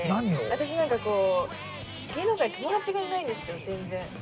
◆私なんかこう、芸能界に友達がいないんですよ、全然。